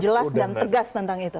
jelas dan tegas tentang itu